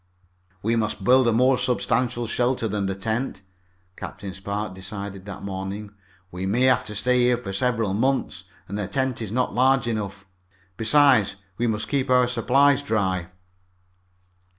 "We must build a more substantial shelter than the tent," Captain Spark decided that morning. "We may have to stay here for several months, and the tent is not large enough. Besides, we must keep our supplies dry."